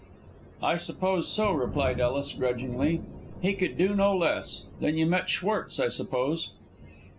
"I suppose so," replied Ellis, grudgingly. "He could do no less. Then you met Schwartz, I suppose?"